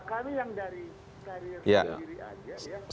kami yang dari karir sendiri aja ya